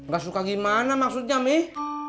gak suka gimana maksudnya mie